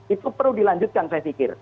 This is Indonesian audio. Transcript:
itu perlu dilanjutkan saya pikir